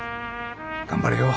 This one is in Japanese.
頑張れよ。